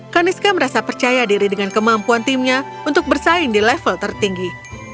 kaniska merasa percaya diri dengan kemampuan timnya untuk bersaing di level tertinggi